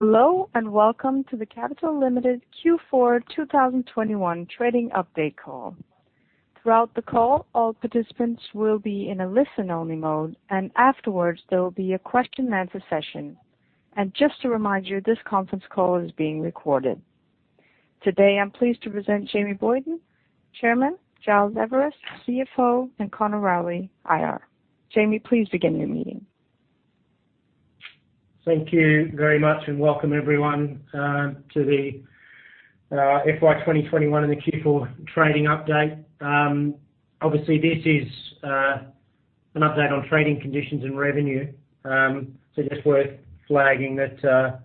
Hello, and welcome to the Capital Limited Q4 2021 trading update call. Throughout the call, all participants will be in a listen-only mode, and afterwards, there will be a question and answer session. Just to remind you, this conference call is being recorded. Today, I'm pleased to present Jamie Boyton, Chairman, Giles Everist, CFO, and Conor Rowley, IR. Jamie, please begin your meeting. Thank you very much and welcome everyone to the FY 2021 and the Q4 trading update. Obviously this is an update on trading conditions and revenue. Just worth flagging that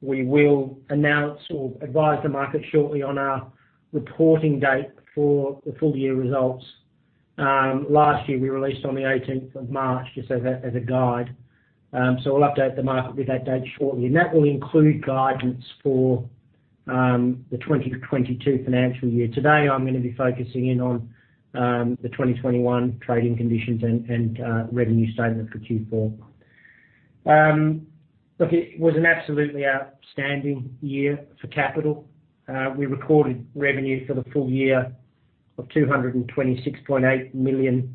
we will announce or advise the market shortly on our reporting date for the full year results. Last year, we released on the 18th of March, just as a guide. I'll update the market with that date shortly. That will include guidance for the 2022 financial year. Today, I'm gonna be focusing in on the 2021 trading conditions and revenue statement for Q4. Look, it was an absolutely outstanding year for Capital. We recorded revenue for the full year of $226.8 million,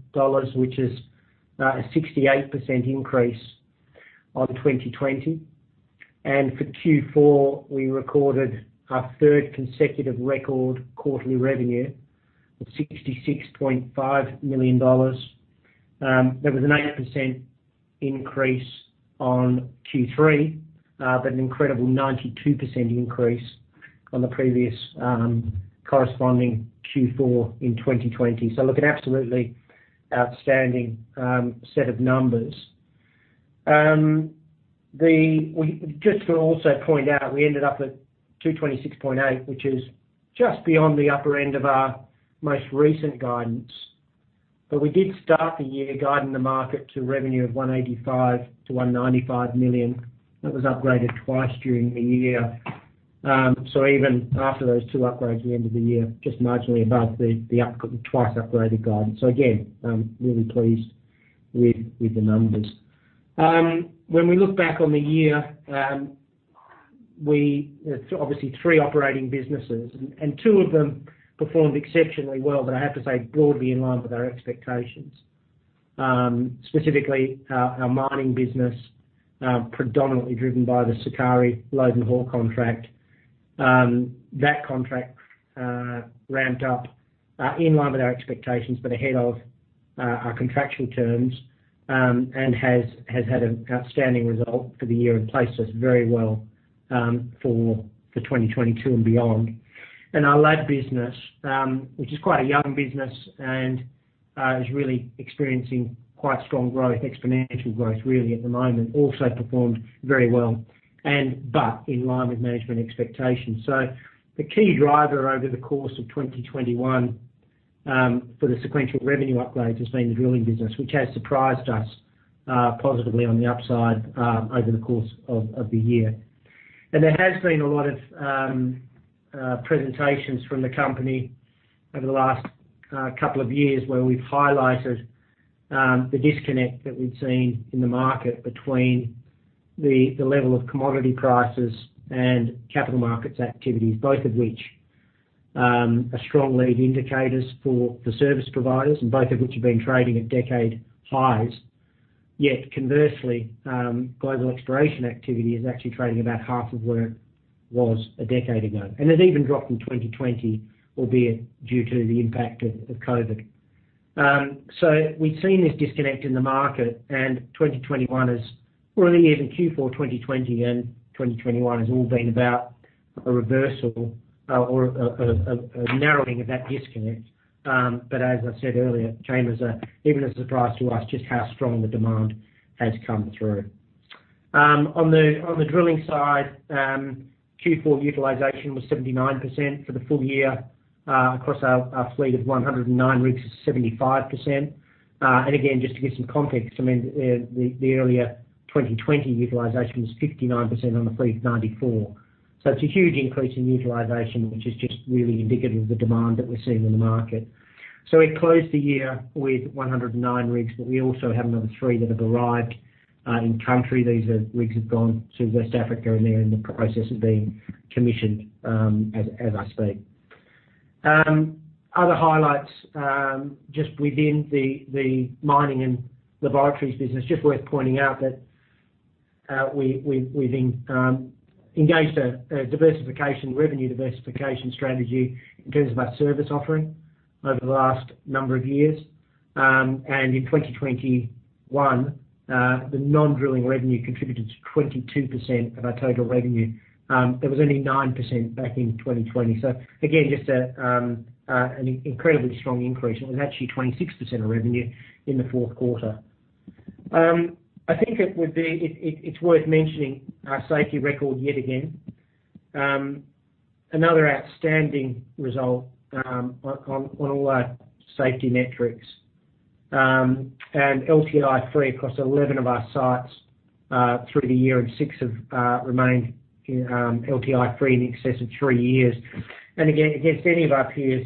which is a 68% increase on 2020. For Q4, we recorded our third consecutive record quarterly revenue of $66.5 million. That was an 8% increase on Q3, but an incredible 92% increase on the previous corresponding Q4 in 2020. Look, an absolutely outstanding set of numbers. Just to also point out, we ended up at 226.8, which is just beyond the upper end of our most recent guidance. We did start the year guiding the market to revenue of $185 million-$195 million. That was upgraded twice during the year. Even after those two upgrades at the end of the year, just marginally above the twice upgraded guidance. Again, really pleased with the numbers. When we look back on the year, obviously three operating businesses. Two of them performed exceptionally well. I have to say broadly in line with our expectations. Specifically, our mining business, predominantly driven by the Sukari load and haul contract. That contract ramped up in line with our expectations but ahead of our contractual terms and has had an outstanding result for the year and placed us very well for 2022 and beyond. Our lab business, which is quite a young business and is really experiencing quite strong growth, exponential growth really at the moment, also performed very well, but in line with management expectations. The key driver over the course of 2021 for the sequential revenue upgrades has been the drilling business, which has surprised us positively on the upside over the course of the year. There has been a lot of presentations from the company over the last couple of years, where we've highlighted the disconnect that we've seen in the market between the level of commodity prices and capital markets activities. Both of which are strong lead indicators for the service providers and both of which have been trading at decade highs. Yet conversely, global exploration activity is actually trading about half of where it was a decade ago. It even dropped in 2020, albeit due to the impact of COVID. We've seen this disconnect in the market and 2021 or even Q4 2020 and 2021 has all been about a reversal, or a narrowing of that disconnect. As I said earlier, changes are even a surprise to us just how strong the demand has come through. On the Drilling side, Q4 utilization was 79% for the full year, across our fleet of 109 rigs is 75%. Again, just to give some context, I mean, the earlier 2020 utilization was 59% on a fleet of 94. It's a huge increase in utilization, which is just really indicative of the demand that we're seeing in the market. We closed the year with 109 rigs, but we also have another three that have arrived in country. These rigs have gone to West Africa, and they're in the process of being commissioned, as I speak. Other highlights just within the Mining and Laboratories business. Just worth pointing out that we've been engaged in a diversification, revenue diversification strategy in terms of our service offering over the last number of years. In 2021, the non-drilling revenue contributed to 22% of our total revenue. It was only 9% back in 2020. Again, just an incredibly strong increase. It was actually 26% of revenue in the fourth quarter. I think it's worth mentioning our safety record yet again. Another outstanding result on all our safety metrics. LTI-free across 11 of our sites through the year and six have remained LTI-free in excess of three years. Again, against any of our peers,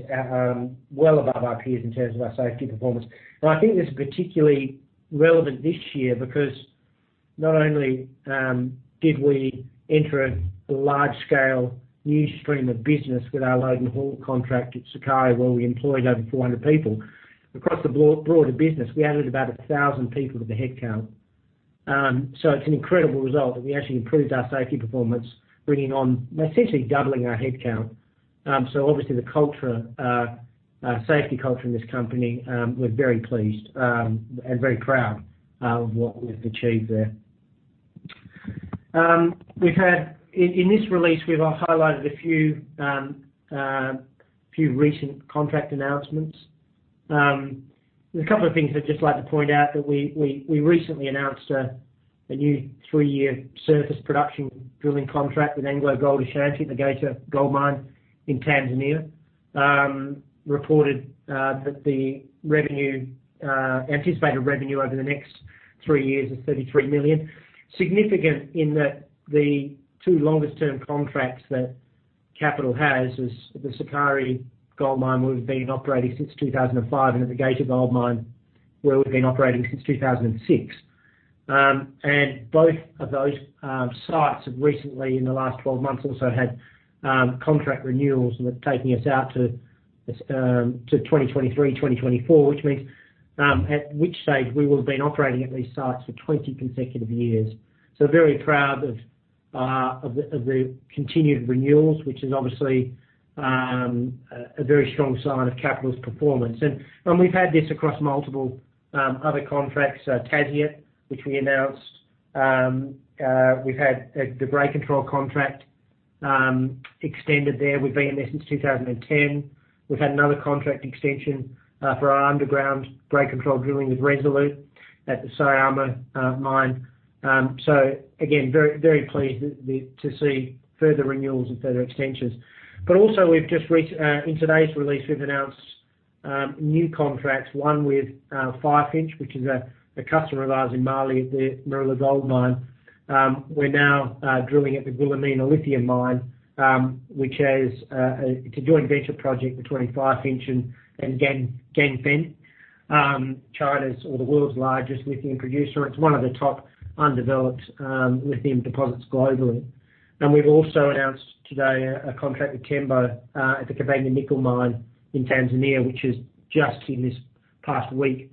well above our peers in terms of our safety performance. I think it's particularly relevant this year because not only did we enter a large-scale new stream of business with our load and haul contract at Sukari, where we employed over 400 people. Across the broader business, we added about 1,000 people to the headcount. It's an incredible result that we actually improved our safety performance, bringing on, essentially doubling our headcount. Obviously the culture, safety culture in this company, we're very pleased and very proud of what we've achieved there. In this release, we've highlighted a few recent contract announcements. There's a couple of things I'd just like to point out that we recently announced a new three-year surface production drilling contract with AngloGold Ashanti at the Geita Gold Mine in Tanzania. We reported that the anticipated revenue over the next three years is $33 million. Significant in that the two longest term contracts that Capital has is the Sukari Gold Mine, we've been operating since 2005, and at the Geita Gold Mine, where we've been operating since 2006. Both of those sites have recently, in the last 12 months, also had contract renewals that are taking us out to 2023, 2024, which means at which stage we will have been operating at these sites for 20 consecutive years. Very proud of the continued renewals, which is obviously a very strong sign of Capital's performance. We've had this across multiple other contracts, Tasiast, which we announced. We've had the grade control contract extended there. We've been there since 2010. We've had another contract extension for our underground grade control drilling with Resolute at the Syama Mine. Again, very pleased to see further renewals and further extensions. Also we've just reached in today's release we've announced new contracts one with Firefinch which is a customer of ours in Mali at the Morila Gold Mine. We're now drilling at the Goulamina Lithium Mine which is a joint venture project between Firefinch and Ganfeng China's or the world's largest lithium producer. It's one of the top undeveloped lithium deposits globally. We've also announced today a contract with Tembo at the Kabanga Nickel Project in Tanzania which has just in this past week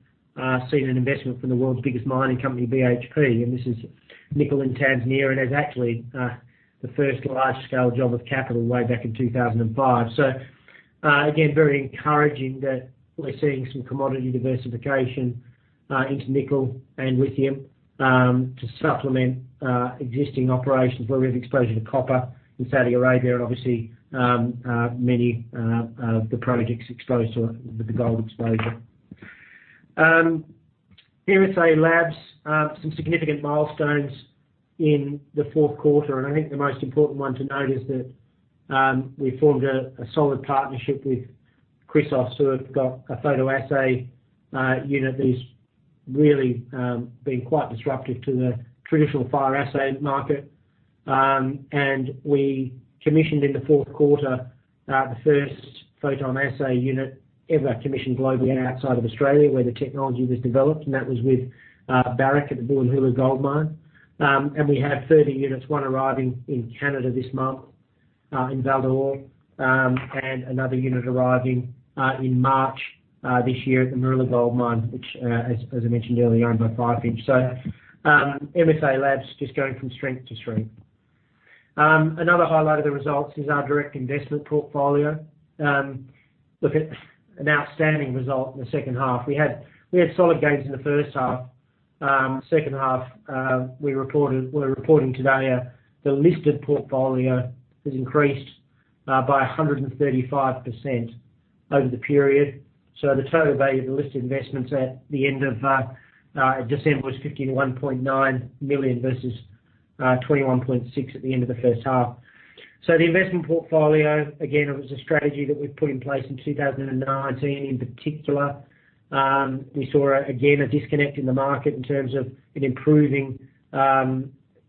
seen an investment from the world's biggest mining company BHP. This is nickel in Tanzania and is actually the first large scale job of Capital way back in 2005. Again, very encouraging that we're seeing some commodity diversification into nickel and lithium to supplement existing operations where we have exposure to copper in Saudi Arabia and obviously many of the projects exposed to the gold exposure. MSALABS some significant milestones in the fourth quarter, and I think the most important one to note is that we formed a solid partnership with Chrysos, so we've got a PhotonAssay unit that is really been quite disruptive to the traditional fire assay market. We commissioned in the fourth quarter the first PhotonAssay unit ever commissioned globally outside of Australia, where the technology was developed, and that was with Barrick at the Bulyanhulu Gold Mine. We have further units, one arriving in Canada this month in Val-d'Or, and another unit arriving in March this year at the Morila Gold Mine, which, as I mentioned earlier, owned by Firefinch. MSALABS just going from strength to strength. Another highlight of the results is our direct investment portfolio. Look at an outstanding result in the second half. We had solid gains in the first half. Second half, we're reporting today the listed portfolio has increased by 135% over the period. The total value of the listed investments at the end of December was $51.9 million versus $21.6 million at the end of the first half. The investment portfolio, again, it was a strategy that we put in place in 2019. In particular, we saw again, a disconnect in the market in terms of improving,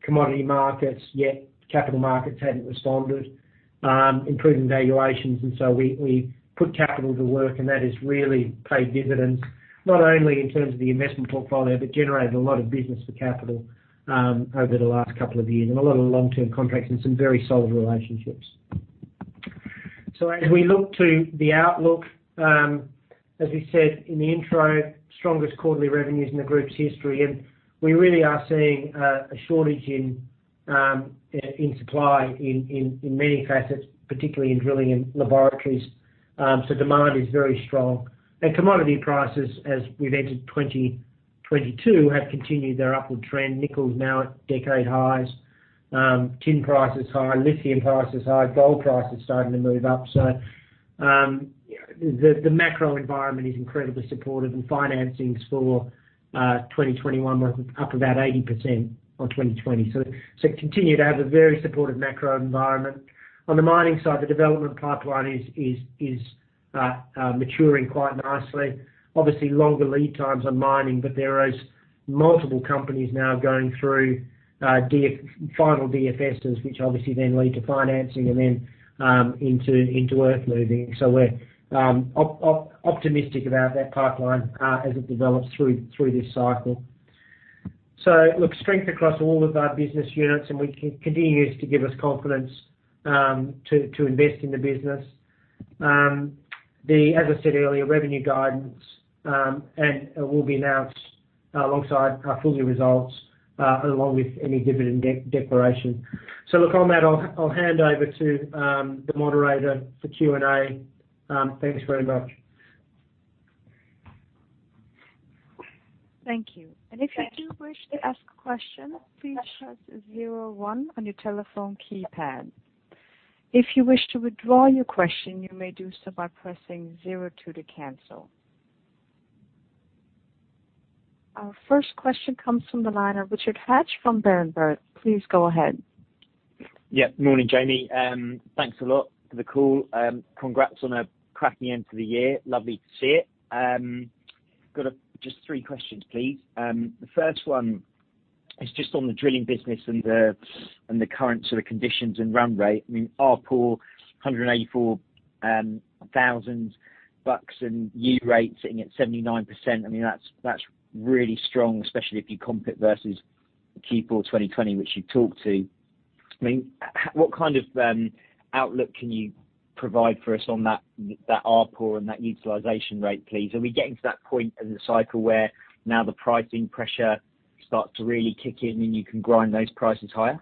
commodity markets, yet capital markets hadn't responded, improving valuations. We put capital to work, and that has really paid dividends, not only in terms of the investment portfolio, but generated a lot of business for Capital, over the last couple of years, and a lot of long-term contracts and some very solid relationships. As we look to the outlook, as we said in the intro, strongest quarterly revenues in the group's history. We really are seeing a shortage in supply in many facets, particularly in drilling and laboratories. Demand is very strong. Commodity prices, as we've entered 2022, have continued their upward trend. Nickel is now at decade highs. Tin price is high, lithium price is high, gold price is starting to move up. The macro environment is incredibly supportive and financings for 2021 were up about 80% on 2020. Continue to have a very supportive macro environment. On the mining side, the development pipeline is maturing quite nicely. Obviously, longer lead times on mining, but there is multiple companies now going through final DFS's, which obviously then lead to financing and then into earthmoving. We're optimistic about that pipeline as it develops through this cycle. Look, strength across all of our business units, and continues to give us confidence to invest in the business. As I said earlier, revenue guidance and it will be announced alongside our full-year results, along with any dividend declaration. Look, on that, I'll hand over to the moderator for Q&A. Thanks very much. Our first question comes from the line of Richard Hatch from Berenberg. Please go ahead. Morning, Jamie. Thanks a lot for the call, and congrats on a cracking end to the year. Lovely to see it. I've got just three questions, please. The first one is just on the Drilling business and the current sort of conditions and run rate. I mean, ARPU $184 thousand and utilization rate sitting at 79%. I mean, that's really strong, especially if you compare it versus Q4 2020, which you talked to. I mean, what kind of outlook can you provide for us on that ARPU and that utilization rate, please? Are we getting to that point in the cycle where now the pricing pressure starts to really kick in, and you can grind those prices higher?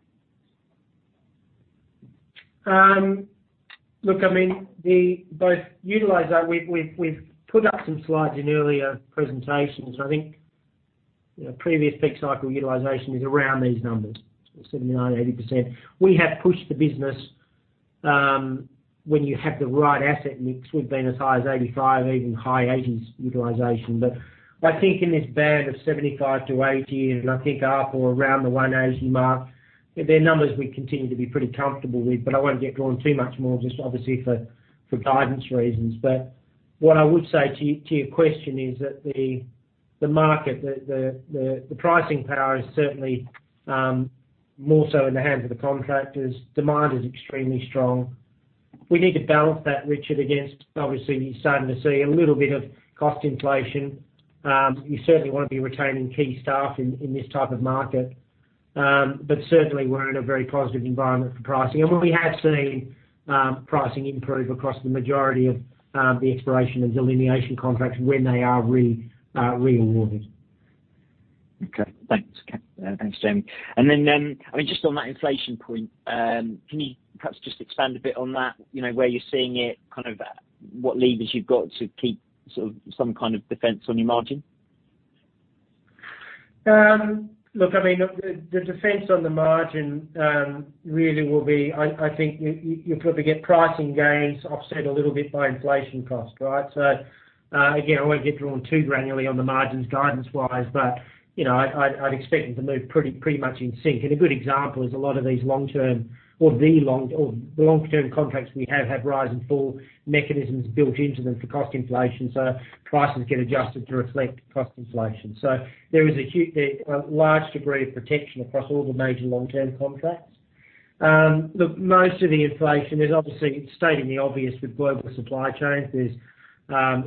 Look, I mean, they both utilize that. We've put up some slides in earlier presentations. I think, you know, previous peak cycle utilization is around these numbers, 79%, 80%. We have pushed the business, when you have the right asset mix, we've been as high as 85%, even high 80%s utilization. I think in this band of 75%-80%, and I think up or around the 180 mark, they're numbers we continue to be pretty comfortable with, but I won't get drawn too much more just obviously for guidance reasons. What I would say to your question is that the market, the pricing power is certainly more so in the hands of the contractors. Demand is extremely strong. We need to balance that, Richard, against obviously you're starting to see a little bit of cost inflation. You certainly want to be retaining key staff in this type of market. Certainly we're in a very positive environment for pricing. We have seen pricing improve across the majority of the exploration and delineation contracts when they are renewed. Okay. Thanks, Jamie. I mean, just on that inflation point, can you perhaps just expand a bit on that? You know, where you're seeing it, kind of, what levers you've got to keep sort of some kind of defense on your margin? Look, I mean, the defense on the margin really will be I think you probably get pricing gains offset a little bit by inflation cost, right? So, again, I won't get drawn too granularly on the margins guidance-wise, but, you know, I'd expect them to move pretty much in sync. A good example is a lot of these long-term contracts we have rise and fall mechanisms built into them for cost inflation. So prices get adjusted to reflect cost inflation. So there is a large degree of protection across all the major long-term contracts. Look, most of the inflation is obviously stating the obvious with global supply chains. There's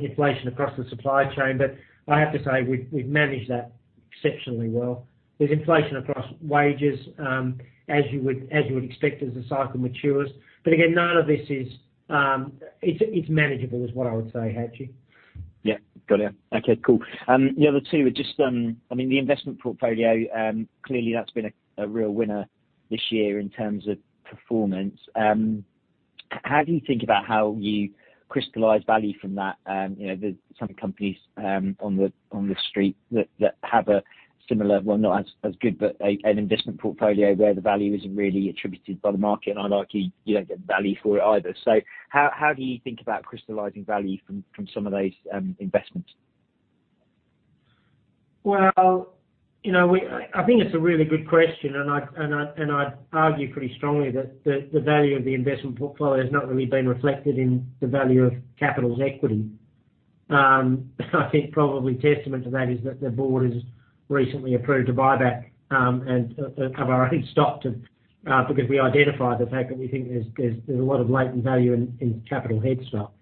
inflation across the supply chain. But I have to say we've managed that exceptionally well. There's inflation across wages, as you would expect as the cycle matures. Again, none of this is, it's manageable is what I would say, Hatch. Yeah. Got it. Okay, cool. The other two are just, I mean, the investment portfolio, clearly that's been a real winner this year in terms of performance. How do you think about how you crystallize value from that? You know, some companies on the street that have a similar, well, not as good, but an investment portfolio where the value isn't really attributed by the market, and, like you don't get value for it either. How do you think about crystallizing value from some of those investments? Well, you know, I think it's a really good question. I'd argue pretty strongly that the value of the investment portfolio has not really been reflected in the value of Capital's equity. I think probably testament to that is that the board has recently approved a buyback of our own stock because we identified the fact that we think there's a lot of latent value in Capital's stock.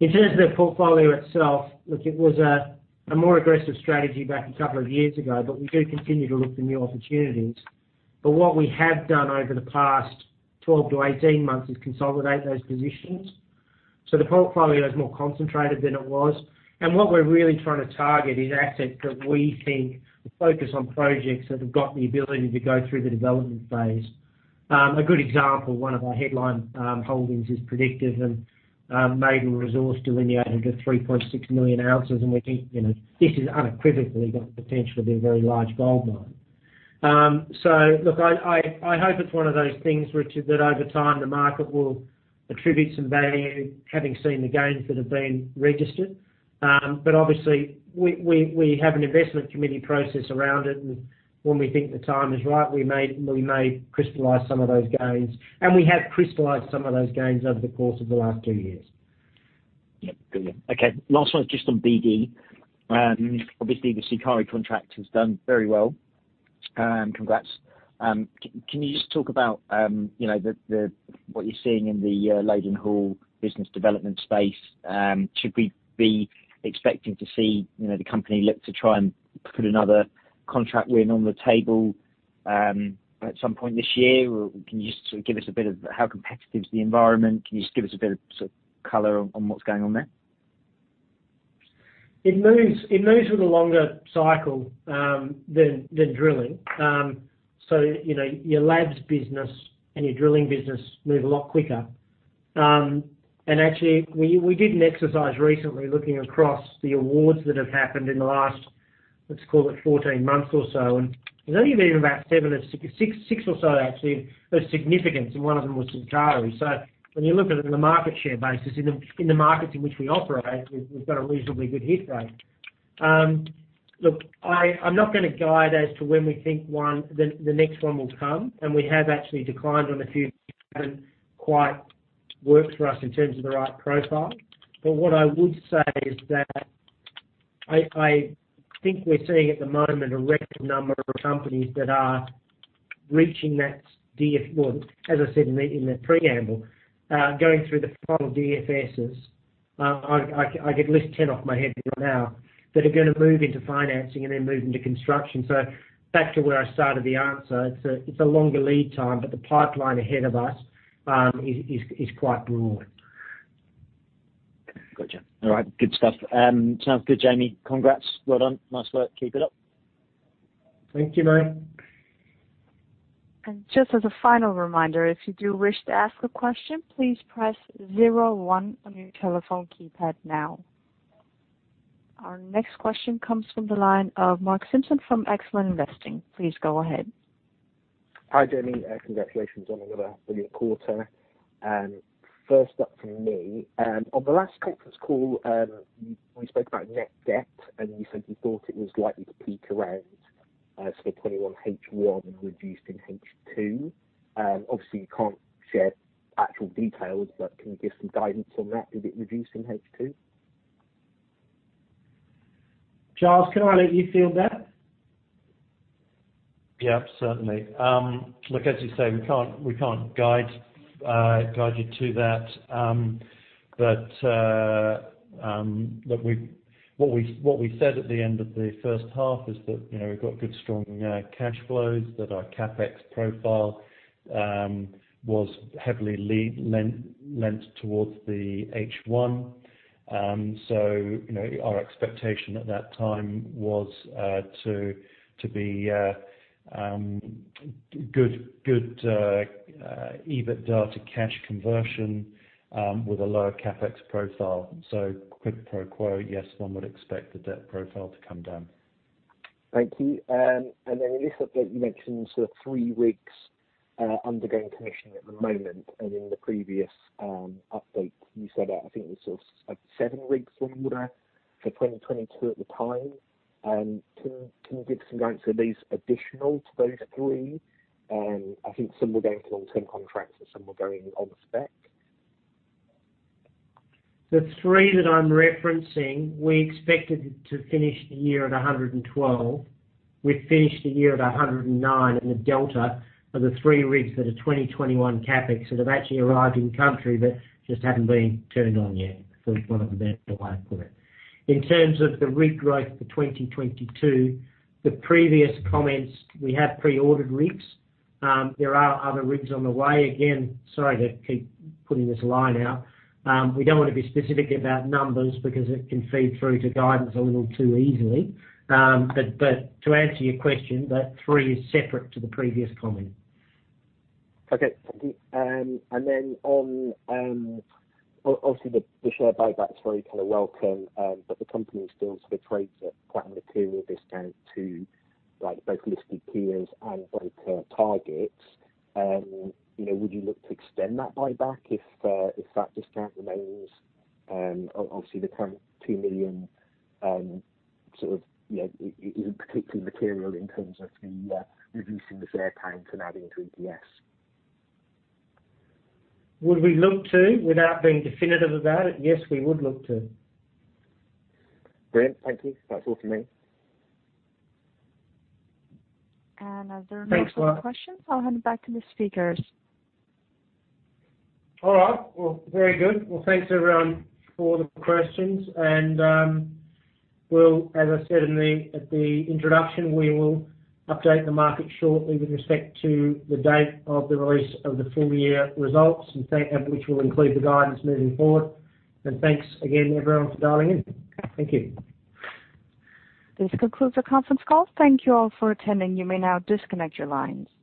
In terms of the portfolio itself, look, it was a more aggressive strategy back a couple of years ago, but we do continue to look for new opportunities. What we have done over the past 12 to 18 months is consolidate those positions. The portfolio is more concentrated than it was. What we're really trying to target is assets that we think focus on projects that have got the ability to go through the development phase. A good example, one of our headline holdings is Predictive Discovery, and maiden resource delineated at 3.6 million ounces. We think, you know, this has unequivocally got the potential to be a very large goldmine. Look, I hope it's one of those things, Richard, that over time the market will attribute some value, having seen the gains that have been registered. Obviously we have an investment committee process around it, and when we think the time is right, we may crystallize some of those gains. We have crystallized some of those gains over the course of the last two years. Yeah. Good one. Okay, last one is just on BD. Obviously the Sukari contract has done very well. Congrats. Can you just talk about, you know, what you're seeing in the load and haul business development space? Should we be expecting to see, you know, the company look to try and put another contract win on the table, at some point this year? Or can you just give us a bit of how competitive is the environment? Can you just give us a bit of sort of color on what's going on there? It moves with a longer cycle than drilling. You know, your labs business and your drilling business move a lot quicker. Actually, we did an exercise recently looking across the awards that have happened in the last, let's call it 14 months or so, and there's only been about six or so actually of significance, and one of them was Sukari. When you look at it on a market share basis, in the markets in which we operate, we've got a reasonably good hit rate. Look, I'm not gonna guide as to when we think the next one will come, and we have actually declined on a few that haven't quite worked for us in terms of the right profile. What I would say is that I think we're seeing at the moment a record number of companies that are reaching that DFS. Well, as I said in the preamble, going through the final DFSes. I could list 10 off the top of my head right now that are gonna move into financing and then move into construction. Back to where I started the answer, it's a longer lead time, but the pipeline ahead of us is quite broad. Gotcha. All right. Good stuff. Sounds good, Jamie. Congrats. Well done. Nice work. Keep it up. Thank you, mate. Just as a final reminder, if you do wish to ask a question, please press zero one on your telephone keypad now. Our next question comes from the line of Mark Simpson from Excellent Investing. Please go ahead. Hi, Jamie. Congratulations on another brilliant quarter. First up from me, on the last conference call, you spoke about net debt, and you said you thought it was likely to peak around, say, 2021 H1, reduced in H2. Obviously, you can't share actual details, but can you give some guidance on that? Is it reduced in H2? Giles, can I let you field that? Yeah, certainly. Look, as you say, we can't guide you to that. Look, what we said at the end of the first half is that, you know, we've got good, strong cash flows, that our CapEx profile was heavily front-loaded towards the H1. You know, our expectation at that time was to be good EBITDA to cash conversion with a lower CapEx profile. Quid pro quo, yes, one would expect the debt profile to come down. Thank you. In this update, you mentioned sort of three rigs undergoing commissioning at the moment. In the previous update, you said, I think it was sort of like seven rigs on order for 2022 at the time. Can you give some guidance? Are these additional to those three? I think some were going to long-term contracts and some were going on spec. The three that I'm referencing, we expected to finish the year at 112. We've finished the year at 109 in the delta of the three rigs that are 2021 CapEx that have actually arrived in country but just haven't been turned on yet. We call it the best of both world. In terms of the rig growth for 2022, the previous comments, we have pre-ordered rigs. There are other rigs on the way. Again, sorry to keep putting this line out. We don't wanna be specific about numbers because it can feed through to guidance a little too easily. But to answer your question, that three is separate to the previous comment. Okay. Thank you. Then on—obviously, the share buyback is very, kind of, welcome, but the company still sort of trades at quite a material discount to, like, both listed peers and broker targets. You know, would you look to extend that buyback if that discount remains, obviously the current $2 million sort of, you know, isn't particularly material in terms of reducing the share count and adding to EPS? Would we look to? Without being definitive about it, yes, we would look to. Great. Thank you. That's all for me. As there are no further questions. Thanks, Mark. I'll hand it back to the speakers. All right. Well, very good. Well, thanks everyone for the questions. We'll as I said in the introduction, we will update the market shortly with respect to the date of the release of the full year results, which will include the guidance moving forward. Thanks again everyone for dialing in. Thank you. This concludes the conference call. Thank you all for attending. You may now disconnect your lines.